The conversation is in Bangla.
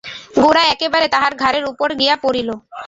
গোরা একেবারে তাঁহার ঘাড়ের উপর গিয়া পড়িল।